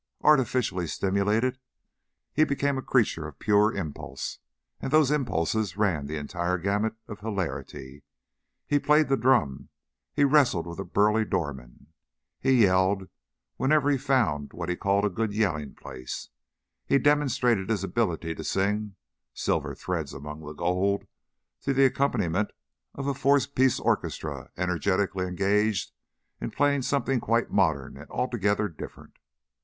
Artificially stimulated, he became a creature of pure impulse, and those impulses ran the entire gamut of hilarity: he played the drum; he wrestled with a burly doorman; he yelled, whenever he found what he called a good "yelling place"; he demonstrated his ability to sing "Silver Threads Among the Gold" to the accompaniment of a four piece orchestra energetically engaged in playing something quite modern and altogether different.